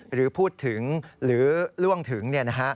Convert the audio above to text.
หรือพูดถึงหรือล่วงถึง